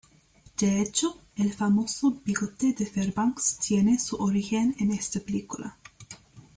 De hecho, el famoso bigote de Fairbanks tiene su origen en esta película